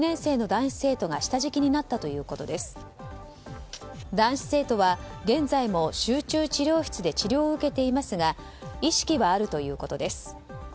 男子生徒は現在も集中治療室で治療を受けていますが意識はあるということです。